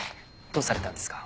どうされたんですか？